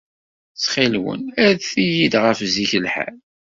Ttxil-wen, rret-iyi-d ɣef zik lḥal.